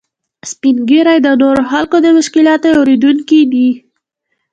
سپین ږیری د نورو خلکو د مشکلاتو اورېدونکي دي